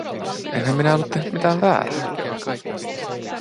Enhän minä ollut tehnyt mitään väärää?